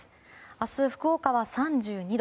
明日、福岡は３２度。